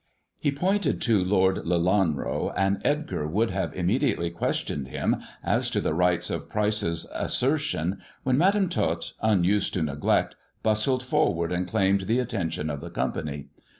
He pointed to Lord Lelanro, and Edgar would have im mediately questioned him as to the rights of Pryce's asser tion, when Madam Tot, unused to neglect, bustled forward and claimed the attention of the company.